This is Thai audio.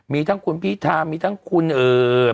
มีทั้งคุณพิธามีทั้งคุณเอิด